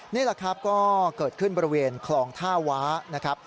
นี่แหละครับก็เกิดขึ้นบริเวณคลองท่าว้านะครับ